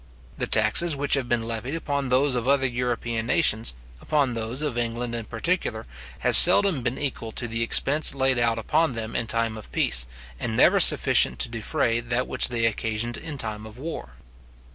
The taxes which have been levied upon those of other European nations, upon those of England in particular, have seldom been equal to the expense laid out upon them in time of peace, and never sufficient to defray that which they occasioned in time of war.